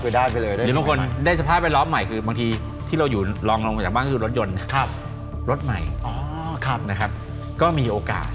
หรือบางคนได้สภาพแวดล้อมใหม่คือบางทีที่เราอยู่ลองลงมาจากบ้านก็คือรถยนต์รถใหม่นะครับก็มีโอกาส